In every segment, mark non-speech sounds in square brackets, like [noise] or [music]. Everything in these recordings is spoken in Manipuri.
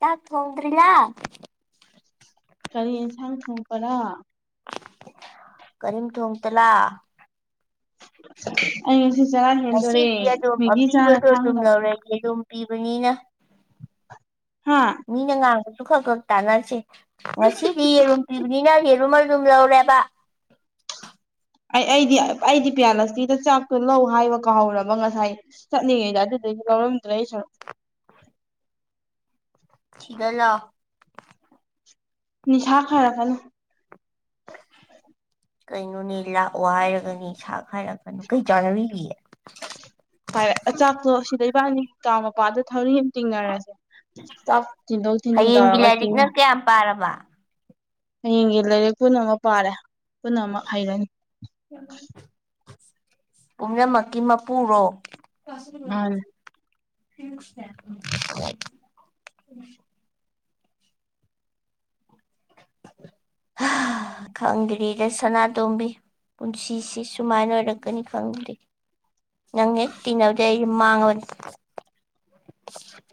ꯆꯥꯛ ꯊꯣꯡꯗ꯭ꯔꯤꯂꯥ ꯀꯔꯤ ꯏꯟꯁꯥꯡ ꯊꯣꯡꯄꯔꯥ ꯀꯔꯤꯝ ꯊꯣꯡꯇꯦꯂꯥ ꯑꯩ ꯉꯁꯤ ꯆꯔꯥ ꯍꯦꯟꯗꯣꯔꯦ ꯃꯦꯒꯤ ꯆꯥꯔ ꯈꯥꯡꯗ [unintelligible] ꯑꯗꯨꯨꯝ ꯄꯤꯕꯅꯤꯅ ꯍꯥꯥ ꯃꯤꯅ ꯉꯥꯡꯕꯁꯨ ꯈꯔ ꯈꯔ ꯇꯥꯟꯅꯁꯦ ꯉꯁꯤꯗꯤ ꯌꯦꯔꯨꯝ ꯄꯤꯕꯅꯤꯅ ꯌꯦꯔꯨꯝ ꯑꯗꯨꯝ ꯂꯧꯔꯦꯕ ꯑꯩ ꯑꯩꯗꯤ ꯑꯩꯗꯤ ꯄꯤꯌꯥꯂꯛꯁꯃꯤꯗ ꯆꯥꯛꯇꯣ ꯂꯧ ꯍꯥꯏꯕ ꯀꯥꯎꯍꯧꯔꯕ ꯉꯁꯥꯏ ꯆꯠꯅꯤꯡꯉꯩꯗ ꯑꯗꯨꯗꯒꯤ ꯂꯧꯔꯝꯗ꯭ꯔ ꯑꯩꯁꯨ ꯁꯤꯒꯂ ꯅꯤꯁꯥ ꯈꯔꯒꯅꯨ [inaudible] ꯀꯩꯅꯣꯅꯤ ꯂꯥꯛꯑꯣ ꯍꯥꯏꯔꯒꯅꯤ ꯁꯥꯛ ꯍꯥꯏꯔꯒꯅ ꯀꯩ ꯆꯥꯟꯅꯕꯤꯌꯦ ꯄꯥꯏꯔ ꯑꯆꯥꯛꯇꯣ ꯑꯁꯤꯗꯩꯕꯥꯅꯤ ꯇꯥꯎ ꯃꯄꯥꯗ ꯊꯧꯔꯤ ꯇꯤꯡꯅꯔꯁꯦ ꯆꯥꯛ ꯊꯤꯟꯗꯣꯛ ꯊꯤꯟꯖꯤꯟ ꯇꯧꯔꯒ ꯆꯤꯡꯉ ꯌꯥꯌꯥ ꯄꯔꯔꯕ ꯍꯌꯦꯡꯒꯤ ꯂꯥꯏꯔꯤꯛ ꯄꯨꯝꯅꯃꯛ ꯄꯥꯔꯦ ꯄꯨꯝꯅꯃꯛ ꯍꯩꯔꯅꯤ꯫ ꯄꯨꯝꯅꯃꯛꯀꯤ ꯃꯄꯨꯔꯣ꯫ ꯃꯥꯅꯦ [unintelligible] [unintelligible] ꯈꯪꯡꯗꯔꯤꯗ ꯁꯅꯥꯇꯣꯝꯕꯤ꯫ ꯄꯨꯟꯁꯤꯁꯤ ꯁꯨꯃꯥꯏꯅ ꯑꯣꯏꯔꯛꯀꯅꯤ ꯈꯪꯗ꯭ꯦ꯫ ꯅꯪ ꯍꯦꯛ ꯇꯤꯟꯅꯕꯗꯩ ꯑꯩꯖꯤ ꯃꯥꯡꯉꯕꯅꯤ꯫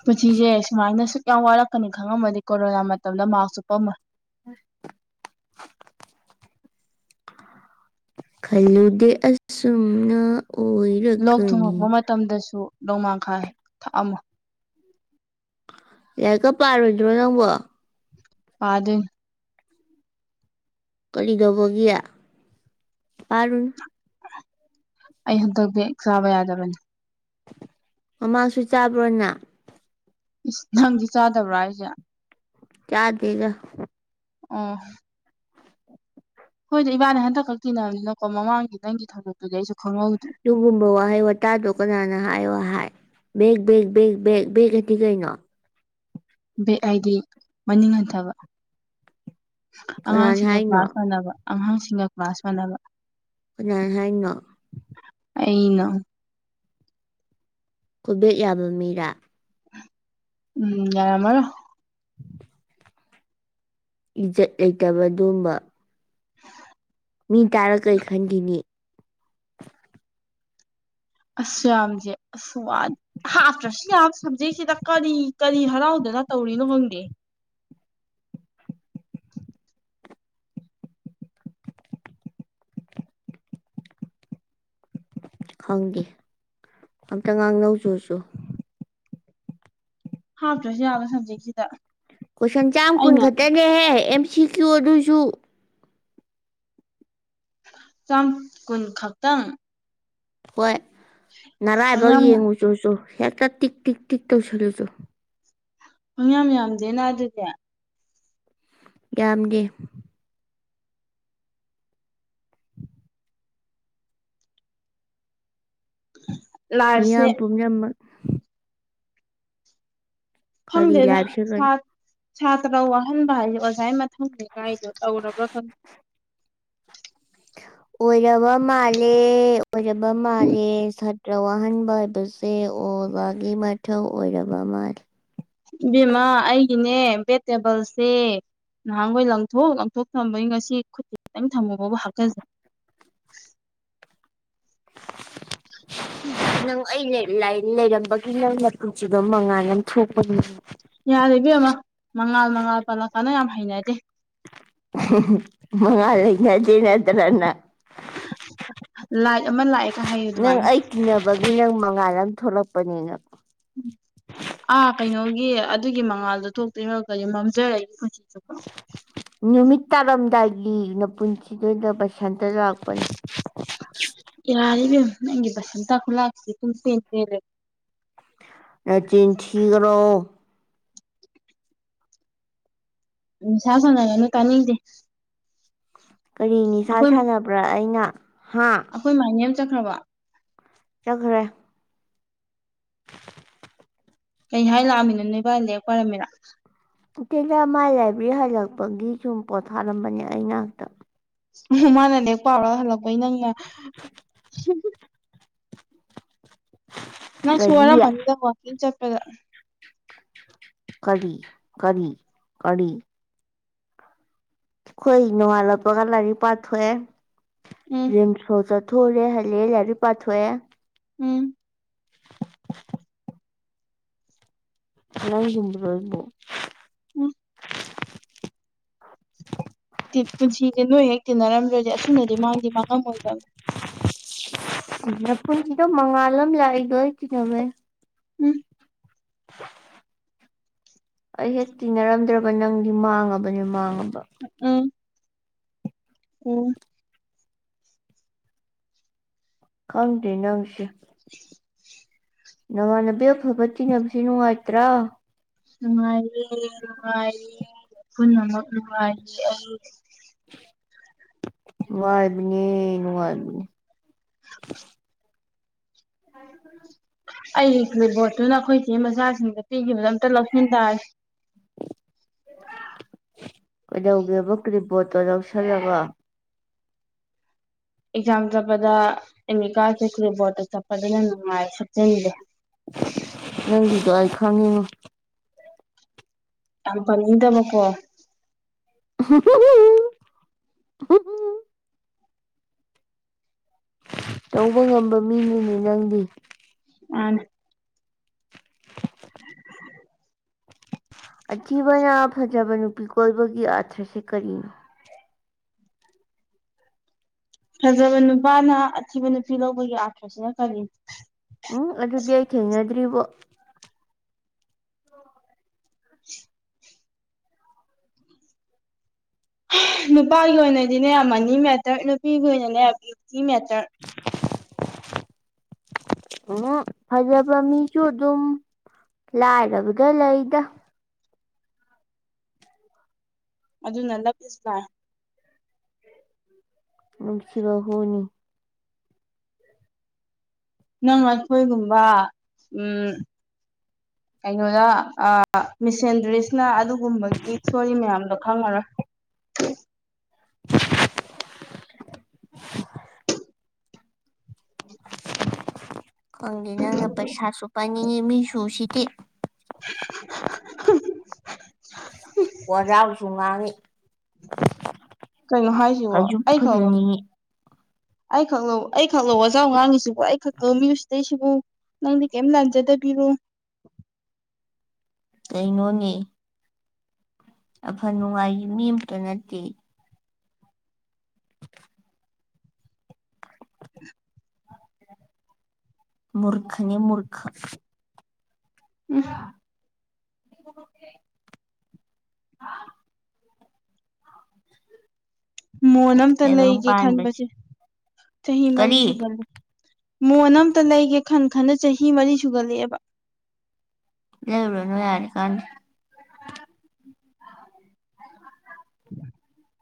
ꯄꯨꯟꯁꯤꯁꯦ ꯁꯨꯃꯥꯏꯅ ꯁꯨꯛ ꯌꯥꯝ ꯋꯥꯔꯛꯀꯅꯤ ꯈꯪꯉꯝꯃꯗꯤ ꯀꯣꯔꯣꯅꯥ ꯃꯇꯝꯗ ꯃꯥꯛꯁ ꯎꯞꯄꯝꯃꯣꯢ꯫ [unintelligible] ꯈꯜꯂꯨ ꯗꯦ ꯑꯁꯨꯨꯝ ꯅ ꯑꯣꯏ ꯂꯣꯛ ꯊꯨꯡꯉꯛꯄ ꯃꯇꯝꯗꯁꯨ ꯅꯣꯡꯃꯥꯡꯈꯥ ꯊꯛꯑꯝꯃꯣꯏ꯫ ꯂꯥꯛꯔꯤꯛꯀ ꯄꯥꯔꯣꯏꯗ꯭ꯔꯣ ꯅꯪꯕꯣ꯫ ꯄꯥꯗꯣꯢꯅꯤ꯫ ꯀꯔꯤꯗꯧꯕꯒꯤ ꯄꯥꯔꯨꯅꯨ꯫ ꯑꯩ ꯍꯟꯗꯛ ꯕꯦꯛ ꯆꯥꯕ ꯌꯥꯗꯕꯅꯤ꯫ ꯃꯃꯥꯡꯁꯨ ꯆꯥꯕ꯭ꯔꯣ ꯅꯪ꯫ ꯏꯁ ꯅꯪꯗꯤ ꯆꯥꯗꯕ꯭ꯔꯥ ꯍꯥꯏꯖꯦ꯫ ꯆꯥꯗꯦꯗ꯫ ꯑꯣ ꯍꯣꯏꯗ ꯏꯕꯥꯅꯤ ꯍꯟꯗꯛ ꯈꯛ ꯇꯤꯟꯅꯅꯤꯅꯀꯣ ꯃꯃꯥꯡꯒꯤ ꯅꯪꯒꯤ ꯊꯧꯗꯛꯇꯨꯗꯤ ꯑꯩꯁꯨ ꯈꯪꯍꯧꯗ꯭ꯔꯦ꯫ ꯑꯗꯨꯒꯨꯝꯕ ꯋꯥꯍꯩ ꯋꯥꯇꯥꯗꯣ ꯀꯅꯥꯅ ꯍꯥꯏꯌꯣ ꯍꯥꯏ꯫ ꯕꯦꯛ ꯕꯦꯛ ꯕꯦꯛ ꯕꯦꯛ ꯕꯦꯒ ꯍꯥꯏꯗꯤ ꯀꯩꯅꯣ꯫ ꯕꯦꯛ ꯍꯥꯏꯗꯤ ꯃꯅꯤꯡ ꯍꯟꯊꯕ ꯀꯅꯥꯅ ꯑꯉꯥꯡꯁꯤꯡꯒ ꯍꯥꯏꯅꯣ ꯀ꯭ꯂꯥꯁ ꯃꯥꯟꯅꯕ꯫ ꯑꯉꯥꯡꯁꯤꯡꯒ ꯀ꯭ꯂꯥꯁ ꯃꯥꯟꯅꯕ ꯀꯅꯥꯅ ꯍꯥꯏꯅꯣ꯫ ꯑꯩꯅ ꯈꯣꯏ ꯕꯦꯛ ꯌꯥꯕ ꯃꯤꯔꯥ꯫ ꯎꯝ ꯌꯥꯔꯝꯃꯅꯣ꯫ ꯏꯖꯠ ꯂꯩꯇꯕ ꯑꯗꯨꯒꯨꯝꯕ ꯃꯤ ꯇꯥꯔ ꯀꯔꯤ ꯈꯟꯒꯤꯅꯤ꯫ ꯑꯁ ꯌꯥꯝꯖꯦ꯫ ꯑꯁ ꯍꯥꯞꯇ꯭ꯔꯖꯨ ꯌꯥꯕ ꯁꯕꯖꯦꯛꯁꯤꯗ ꯀꯔꯤ ꯀꯔꯤ ꯍꯔꯥꯎꯗꯅ ꯇꯧꯔꯤꯅꯣ ꯈꯪꯗꯦꯍꯦ꯫ ꯈꯪꯗꯦ ꯑꯝꯇ ꯉꯥꯡ ꯅꯧꯖꯨꯁꯨ ꯍꯥꯞꯇ꯭ꯔꯁꯨ ꯌꯥꯕ ꯁꯕꯖꯦꯛꯁꯤꯗ ꯀꯣꯏꯁꯟ ꯆꯥꯝ ꯀꯨꯟ ꯑꯩꯅ ꯈꯛꯇꯅꯦꯍꯦ ꯑꯦꯝ ꯁꯤ ꯀ꯭ꯌꯨ ꯑꯗꯨꯁꯨ ꯆꯥꯝ ꯀꯨꯟ ꯈꯛꯇꯪ ꯍꯣꯏ ꯅꯔꯥꯏꯕꯛ ꯄꯪꯌꯥꯝ ꯌꯦꯡꯉꯨ ꯆꯔꯁꯨ ꯍꯦꯛꯇ ꯇꯤꯛ ꯇꯤꯛ ꯇꯤꯛ ꯇꯧꯁꯜꯂꯨꯁꯨ ꯪ ꯌꯥꯝ ꯌꯥꯝꯗꯦꯅ ꯑꯗꯨꯗꯤ ꯌꯥꯝꯒꯦ ꯂꯥꯏꯐꯁꯦ ꯃꯤꯌꯥꯝ ꯄꯨꯝꯅꯃꯛ ꯀꯔꯤ ꯈꯪꯗ꯭ꯔꯦꯗ ꯂꯥꯏꯐꯁꯦ ꯁꯥ ꯀꯔꯤ ꯁꯥꯇ꯭ꯔ ꯋꯥꯍꯟꯕ ꯍꯥꯏꯁꯦ ꯑꯣꯖꯥ ꯃꯊꯧꯅꯦ ꯒꯥꯥꯏꯗꯣ ꯇꯧꯔꯕ꯭ꯔꯥ ꯈꯪꯗꯦ ꯑꯣꯏꯔꯕ ꯃꯥꯜꯂꯦ ꯑꯣꯏꯔꯕ ꯃꯥꯜꯂꯦ ꯁ ꯇ꯭ꯔꯥ ꯋꯥꯍꯟꯕ ꯍꯥꯏꯕꯁꯦ ꯑꯣꯖꯥꯒꯤ ꯃꯊꯧ ꯑꯣꯏꯔꯕ ꯃꯥꯂꯦ꯫ ꯏꯕꯦꯝꯃꯥ ꯑꯩꯒꯤꯅꯦ ꯚꯦꯠ ꯇꯦꯕꯜꯁꯦ ꯅꯍꯥꯟꯈꯣꯏ ꯂꯪꯊꯣꯛ ꯂꯪꯊꯣꯛ ꯊꯝꯕꯒꯤ ꯉꯁꯤ ꯈꯨꯠꯇ ꯈꯤꯇꯪ ꯊꯝꯃꯨꯕꯕꯨ ꯍꯥꯒꯠꯆꯩ ꯅꯪ ꯑꯩ ꯂꯥꯏꯟ ꯂꯩꯔꯝꯕꯒꯤ ꯅꯪ ꯅꯄꯨꯟꯁꯤꯗꯣ ꯃꯉꯥꯜ ꯑꯃ ꯊꯣꯛꯄꯅꯤ ꯅꯪ ꯌꯥꯔꯦ ꯏꯕꯦꯝꯃ ꯃꯉꯥꯜ ꯃꯉꯥꯜ ꯄꯜꯂꯛꯀꯅꯣ ꯌꯥꯝ ꯍꯩꯅꯗꯦ ꯃꯉꯥꯜ ꯍꯩꯅꯗꯦ ꯅꯠꯇ꯭ꯔꯥ ꯅꯪ꯫ ꯂꯥꯏꯠ ꯑꯃ ꯂꯥꯛꯑꯦꯒ ꯍꯥꯏꯌꯨ ꯅꯪ ꯑꯗꯨꯃꯥꯏꯅ ꯑꯩ ꯇꯤꯟꯅꯕꯒꯤ ꯅꯪ ꯃꯉꯥꯜ ꯑꯃ ꯊꯣꯛꯂꯛꯄꯅꯤ ꯅꯪ ꯎꯝ ꯑꯥ ꯀꯩꯅꯣꯒꯤ ꯑꯗꯨꯒꯤ ꯃꯉꯥꯜꯗꯨ ꯊꯣꯛꯇꯣꯏ ꯃꯛꯇꯗꯤ ꯃꯝꯖꯔꯒꯦ ꯄꯨꯟꯁꯤ ꯆꯨꯞꯄ [unintelligible] ꯅꯨꯃꯤꯠ ꯇꯥꯔꯝꯗꯥꯏꯒꯤ ꯅꯄꯨꯟꯁꯤꯗꯨꯗ ꯕꯁꯟꯇ ꯂꯥꯛꯄꯅꯤ ꯌꯥꯔꯦ ꯏꯕꯦꯝꯃ ꯅꯪꯒꯤ ꯕꯁꯟꯇ ꯈꯨꯂꯥꯛꯁꯦ ꯄꯨꯡ ꯄꯦꯟ ꯄꯦꯜꯂꯦ ꯅꯆꯤꯟ ꯊꯤꯒꯅꯨ ꯅꯤꯁꯥ ꯁꯥꯟꯅꯒꯅꯨ ꯇꯅꯤꯡꯗꯦ ꯀꯔꯤ ꯅꯤꯁꯥ ꯁꯥꯟꯅꯕ꯭ꯔꯥ ꯑꯩꯅ ꯍꯥ ꯑꯩꯈꯣꯏ ꯃꯥꯏꯅꯦꯜ ꯆꯠꯈ꯭ꯔꯥꯕꯣ ꯆꯠꯈ꯭ꯔꯦ ꯀꯩ ꯍꯥꯏ ꯂꯥꯛꯑꯃꯤꯅꯣ ꯅꯣꯏꯕꯥꯏ ꯂꯥꯢꯔꯤꯛ ꯄꯔꯝꯃꯤꯔ ꯅꯠꯇꯦꯗ ꯃꯥꯏ ꯂꯥꯏꯕ꯭ꯔꯦꯔꯤ ꯍꯜꯂꯛꯄꯒꯤ ꯁꯨꯝ ꯄꯣꯠꯊꯥꯔꯝꯕꯅꯦ ꯑꯩ ꯅꯥꯛꯇ ꯎ ꯃꯥꯅ ꯂꯥꯢꯔꯤꯛ ꯄꯥꯎꯔꯒ ꯍꯜꯂꯛꯄꯒꯤ ꯅꯪꯅ [unintelligible] ꯅꯪꯁꯨ ꯋꯥꯔꯝꯃꯅꯤꯗ ꯋꯥꯛꯀꯤꯡ ꯆꯠꯄꯗ ꯀꯔꯤ ꯀꯔꯤ ꯀꯔꯤ ꯑꯩꯈꯣꯏ ꯅꯣꯡꯉꯥꯜꯂꯛꯄꯒ ꯂꯥꯏꯔꯤꯛ ꯄꯥꯊꯣꯛꯑꯦ ꯎꯝ ꯔꯤꯝꯁ ꯐꯧ ꯆꯠꯊꯣꯛꯎꯔꯦ ꯍꯜꯂꯦ ꯂꯥꯏꯔꯤꯛ ꯄꯥꯊꯣꯛꯑꯦ ꯎꯝ ꯅꯪ ꯒꯨꯝꯕ꯭ꯔꯣ ꯑꯩꯕꯣ ꯎꯝ ꯇꯦ ꯄꯨꯟꯁꯤꯁꯦ ꯅꯣꯏ ꯍꯦꯛ ꯇꯤꯟꯅꯔꯝꯗ꯭ꯔꯗꯤ ꯑꯁꯨꯝꯅꯗꯤ ꯃꯥꯡꯗꯤ ꯃꯥꯡꯉꯝꯃꯣꯏꯗꯕꯅꯤ ꯎꯝ ꯅꯄꯨꯨꯟꯁꯤꯗ ꯃꯉꯥꯜ ꯑꯃ ꯂꯥꯛꯏꯗꯣ ꯑꯩ ꯇꯤꯟꯅꯕꯩꯅꯤ ꯎꯝ [unintelligible] ꯑꯩ ꯍꯦꯛ ꯇꯤꯟꯅꯔꯝꯗ꯭ꯔꯕ ꯅꯪꯗꯤ ꯃꯥꯡꯉꯕꯅꯦ ꯃꯥꯡꯉꯕ ꯎꯝ ꯑꯣ ꯈꯪꯗꯦ ꯅꯪꯁꯦ ꯅꯃꯥꯟꯅꯕꯤ ꯑꯐꯕ ꯇꯤꯟꯅꯕꯁꯦ ꯅꯨꯡꯉꯥꯏꯇ꯭ꯔꯥ ꯅꯨꯡꯉꯥꯏꯔꯦ ꯅꯨꯡꯉꯥꯏꯔꯦ ꯄꯨꯟꯅꯃꯛ ꯅꯨꯡꯉꯥꯏꯔꯦ ꯑꯩ ꯅꯨꯡꯉꯥꯏꯕꯅꯦ ꯅꯨꯡꯉꯥꯢꯕꯅꯦ [inaudible] [inaudible] ꯑꯩꯒꯤ ꯀ꯭ꯂꯤꯞ ꯕꯣꯔꯠꯇꯨꯅ ꯑꯩꯈꯣꯏꯆꯦ ꯃꯆꯥꯁꯤꯡꯗ ꯄꯤꯈꯤꯕꯗꯨ ꯑꯝꯇ ꯂꯧꯁꯤꯟ ꯇꯥꯔꯦ ꯀꯩꯗꯧꯒꯦꯕ ꯀ꯭ꯔꯤꯕꯣꯔꯠꯇꯣ ꯂꯧꯁꯜꯂꯒ ꯑꯦꯛꯖꯥꯝ ꯆꯠꯄꯗ ꯑꯦꯗꯃꯤꯠ ꯀꯥꯔꯗꯁꯦ ꯀ꯭ꯂꯤꯞ ꯕꯣꯔꯠꯇ ꯆꯞꯄꯗꯨꯅ ꯍꯦꯟꯅ ꯅꯨꯡꯉꯥꯏ ꯁꯨꯞꯆꯟꯗꯦ [inaudible] ꯅꯪꯒꯤꯗꯣ ꯑꯩ ꯈꯪꯉꯤꯉꯣ ꯌꯥꯝ ꯄꯥꯅꯤꯡꯗꯅ ꯀꯣ [unintelligible] ꯇꯧꯕ ꯉꯝꯕ ꯃꯤꯅꯤꯅꯦ ꯅꯪꯗꯤ ꯑ ꯑꯊꯤꯕꯅ ꯐꯖꯕ ꯅꯨꯄꯤ ꯀꯣꯏꯕꯒꯤ ꯑꯥꯊ꯭ꯔꯁꯦ ꯀꯔꯤꯅꯣ ꯐꯖꯕ ꯅꯨꯄꯥꯅ ꯑꯊꯤꯕ ꯅꯨꯄꯤ ꯂꯧꯕꯒꯤ ꯑꯥꯊꯁꯤꯅ ꯀꯔꯤ ꯎꯝ ꯑꯗꯨꯗꯤ ꯑꯩ ꯊꯦꯡꯅꯗ꯭ꯔꯤꯕꯣ [unintelligible] ꯅꯨꯄꯥꯒꯤ ꯑꯣꯏꯅꯗꯤꯅꯦ ꯃꯅꯤ ꯃꯦꯇꯔ ꯅꯨꯄꯤꯒꯤ ꯑꯣꯏꯅꯅꯦ ꯄꯌꯨꯇꯤ ꯃꯦꯇꯔ ꯎ ꯐꯖꯕ ꯃꯤꯁꯨ ꯑꯗꯨꯝ ꯂꯥꯏꯔꯕꯗ ꯂꯩꯗ ꯑꯗꯨꯅ ꯂꯞꯂꯤꯁꯨ ꯂꯥꯏ ꯅꯨꯡꯁꯤꯕ ꯍꯨꯅꯤ ꯅꯪ ꯂꯐꯣꯏꯒꯨꯝꯕ ꯎꯝ ꯀꯩꯅꯣꯗ ꯑ ꯃꯤꯁꯦꯟꯗ꯭ꯔꯤꯁꯤꯅ ꯑꯗꯨꯒꯨꯝꯕꯒꯤ ꯊꯤꯑꯣꯔꯤ ꯃꯌꯥꯝꯗꯣ ꯈꯪꯉꯔꯣꯏ [inaudible] ꯈꯪꯗꯦ ꯅꯪꯅ ꯄꯩꯁꯥꯁꯨ ꯄꯥꯏꯅꯤꯡꯉꯤ ꯃꯤꯁꯨ ꯎꯁꯤꯠꯇꯦ [inaudible] ꯋꯥꯖꯥꯎꯁꯨ ꯉꯥꯡꯉꯤ ꯀꯩꯅꯣ ꯍꯥꯏꯁꯤꯕꯣ ꯐꯁꯨ ꯑꯩ ꯈꯪ ꯐꯖꯅꯤꯡꯉꯤ ꯑꯩ ꯈꯛ ꯂꯧ ꯑꯩ ꯈꯛ ꯂꯣ ꯋꯥꯖꯥꯎ ꯉꯥꯡꯉꯤꯁꯤꯕꯨ ꯑꯩ ꯈꯛ ꯂꯣ ꯃꯤ ꯎꯁꯤꯠꯇꯤꯁꯦꯕꯨ ꯅꯪꯗꯤ ꯀꯩꯝ ꯂꯥꯟꯖꯗꯕꯤꯔꯣ ꯀꯩꯅꯣꯅꯦ ꯑꯐ ꯅꯨꯡꯉꯥꯏꯒꯤ ꯃꯤꯝꯇ ꯅꯠꯇꯦ ꯃꯨꯔꯈꯅꯦ ꯃꯨꯔꯈ ꯎꯝ [inaudible] ꯃꯣꯟ ꯑꯝꯇ ꯇꯥꯏꯕꯪ ꯂꯩꯒꯦ ꯄꯥꯟꯕ ꯈꯟꯕꯁꯦ ꯆꯍꯤ ꯃꯔꯤ ꯀꯔꯤ ꯁꯨꯒꯜꯜꯂꯤ ꯃꯣꯟ ꯑꯝꯇ ꯂꯩꯒꯦ ꯈꯟ ꯈꯟꯅ ꯆꯍꯤ ꯃꯔꯤ ꯁꯨꯒꯠꯂꯛꯑꯦꯕ ꯂꯩꯔꯨꯔꯅꯨ ꯌꯥꯔꯦ ꯀꯥꯟꯗꯦ [inaudible]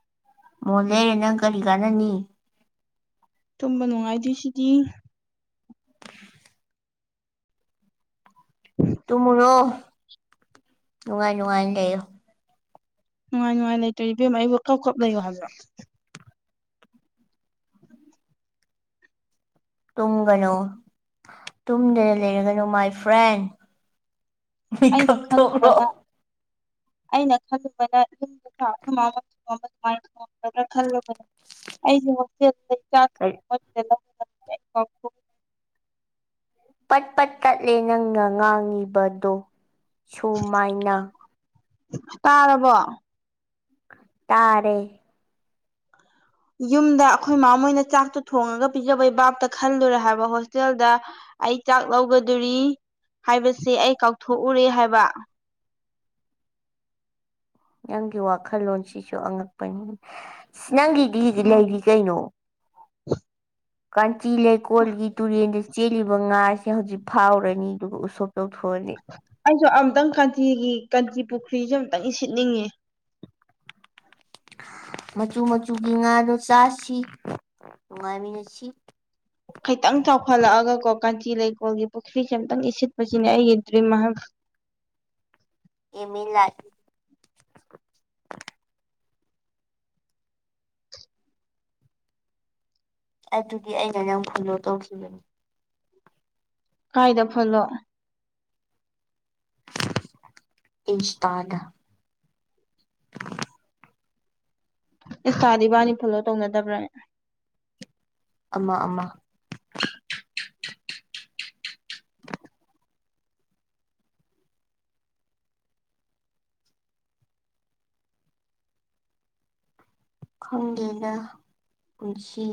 ꯃꯣꯟ ꯂꯩꯔ ꯅꯪ ꯀꯔꯤ ꯀꯥꯟꯅꯅꯤ ꯇꯨꯝꯕ ꯅꯨꯡꯉꯥꯏꯗꯣꯏ ꯁꯤꯗꯤ ꯇꯨꯝꯃꯨꯔꯣ ꯅꯨꯡꯉꯥꯏ ꯅꯨꯡꯉꯥꯏꯅ ꯂꯩꯌꯨ ꯅꯨꯡꯉꯥꯏ ꯅꯨꯡꯉꯥꯏ ꯂꯩꯇ꯭ꯔꯗꯤ ꯏꯕꯦꯝꯃ ꯑꯩꯕꯨ ꯀꯞ ꯀꯞ ꯂꯩꯌꯣ ꯍꯥꯏꯕ꯭ꯔꯣ ꯇꯨꯝꯒꯅꯨ ꯇꯨꯝꯗꯅ ꯂꯩꯔꯒꯅꯨ ꯃꯥꯏ ꯐ꯭ꯔꯦꯟ ꯑꯩꯅ ꯃꯤꯀꯞ ꯊꯣꯛꯔꯣ ꯈꯜꯂꯨꯕꯅ ꯑꯩꯅ ꯈꯜꯂꯨꯕꯅ ꯌꯨꯝꯗ ꯑꯈꯣꯏꯃꯥꯅ [unintelligible] [unintelligible] ꯀꯩ [unintelligible] ꯄꯠ ꯄꯠ ꯇꯠꯂꯦ ꯅꯪꯅ ꯉꯥꯡꯉꯤꯕꯗꯣ ꯁꯨꯃꯥꯏꯅ ꯇꯥꯔꯔꯕꯣ ꯇꯥꯔꯦ ꯌꯨꯝꯗ ꯑꯩꯈꯣꯏ ꯃꯥ ꯃꯣꯏꯅ ꯆꯥꯛꯇꯣ ꯊꯣꯡꯉꯒ ꯄꯤꯖꯕꯩ ꯕꯥꯞꯇ ꯈꯜꯂꯨꯔꯦ ꯍꯥꯏꯕ ꯍꯣꯁꯇꯦꯜꯗ ꯑꯩ ꯆꯥꯛ ꯂꯧꯒꯗꯧꯔꯤ ꯍꯥꯏꯕꯁꯦ ꯑꯩ ꯀꯥꯎꯊꯣꯛꯎꯔꯦ ꯍꯥꯏꯕ ꯅꯪꯒꯤ ꯋꯥꯈꯜꯂꯣꯟꯁꯤꯁꯨ ꯑꯉꯛꯄꯅꯤ ꯁꯤ ꯅꯪꯒꯤꯗꯤ ꯎꯝ ꯂꯩꯔꯤ ꯀꯩꯅꯣ ꯀꯥꯟꯆꯤ ꯂꯩꯀꯣꯜꯒꯤ ꯇꯨꯔꯦꯟꯗ ꯆꯦꯜꯂꯤꯕ ꯉꯥꯥꯁꯦ ꯍꯧꯖꯤꯛ ꯐꯥꯎꯔꯅꯤ ꯑꯗꯨꯒ ꯎꯁꯣꯞ ꯇꯧꯊꯣꯛꯑꯅꯤ ꯑꯩꯁꯨ ꯑꯝꯛꯇꯪ ꯀꯥꯟꯆꯤꯒꯤ ꯀꯥꯟꯆꯤꯔ ꯄꯨꯈ꯭ꯔꯤꯁꯦ ꯑꯝꯇꯪ ꯏꯁꯤꯠꯅꯤꯡꯉꯦ ꯃꯆꯨ ꯃꯆꯨꯒꯤ ꯉꯥꯗꯣ ꯆꯥꯁꯤ ꯅꯨꯡꯉꯥꯏꯃꯤꯟꯅꯁꯤ ꯈꯤꯇꯪ ꯆꯥꯎꯈꯠꯂꯛꯑꯒ ꯀꯣ ꯀꯥꯟꯆꯤ ꯂꯩꯀꯣꯜꯒꯤ ꯄꯨꯈ꯭ꯔꯤꯁꯦ ꯑꯝꯇꯪ ꯏꯁꯤꯠꯄꯁꯤꯅꯦ ꯑꯩꯒꯤ ꯗ꯭ꯔꯤꯝ ꯍꯥꯏꯕꯨ ꯑꯦꯝ ꯏꯟ ꯂꯥꯏꯞ ꯑꯗꯨꯗꯤ ꯑꯩꯅ ꯅꯪ ꯐꯣꯂꯣ ꯇꯧꯈꯤꯕꯅꯤ ꯀꯥꯏꯗ ꯐꯣꯂꯣ ꯏꯟꯁꯇꯥꯗ [inaudible] ꯏꯁꯇꯥꯗꯤ ꯏꯕꯥꯅꯤ ꯐꯣꯂꯣ ꯇꯧꯅꯗꯕ꯭ꯔꯅꯦ ꯑꯃ ꯑꯃ ꯈꯪꯗꯦꯗ ꯄꯨꯟꯁꯤ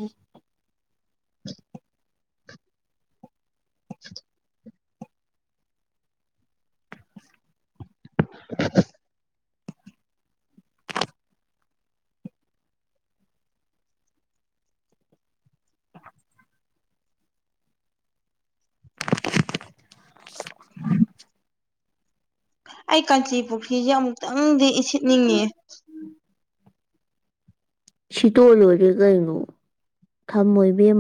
[inaudible] [inaudible] ꯑꯩ ꯀꯥꯟꯆꯤ ꯄꯨꯈ꯭ꯔꯤꯖꯦ ꯑꯃꯨꯛꯇꯪꯗꯤ ꯏꯁꯤꯠꯅꯤꯡꯉꯤꯌꯦ ꯁꯤꯇꯣꯛ ꯑ ꯂꯣꯏꯔꯦ ꯀꯩꯅꯣ ꯊꯝꯃꯣ ꯏꯕꯦꯝꯃ